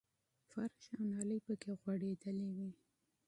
فرش او نالۍ پکې غړېدلې وې.